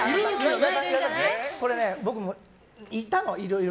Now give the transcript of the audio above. これね、いたの、いろいろ。